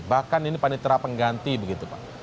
bahkan ini panitera pengganti begitu pak